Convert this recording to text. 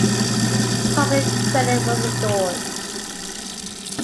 Public credit was restored.